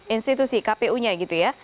institusi kpu nya gitu ya